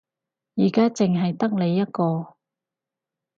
而家淨係得你一個